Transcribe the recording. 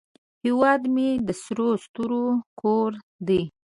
هیواد مې د سرو ستورو کور دی